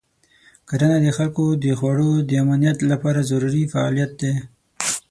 کرنه د خلکو د خوړو د امنیت لپاره ضروري فعالیت دی.